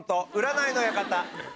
「占いの館」。